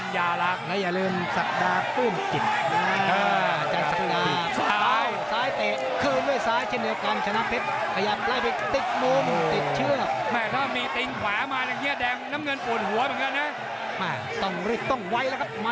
ทางยังไหวทางไม่เข้าทางยังไม่เข้า